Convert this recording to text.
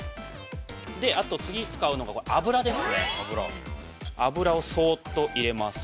あと次に使うのが油です。